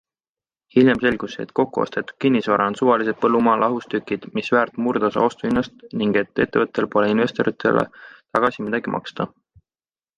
Hiljem selgus, et kokkuostetud kinnisvara on suvalised põllumaa lahustükid, mis väärt murdosa ostuhinnast ning et ettevõttel pole investoritele tagasi midagi maksta.